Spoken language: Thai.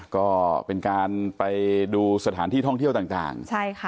ก็เป็นการไปดูสถานที่ท่องเที่ยวต่าง